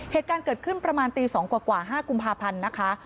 เหตุการณ์เกิดขึ้นประมาณตี๒กว่า๕กุมภาพันธ์นะคะ